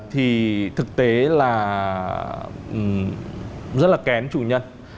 thì thực tế là rất là kén chủ nhân